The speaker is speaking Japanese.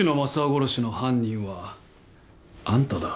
殺しの犯人はあんただ。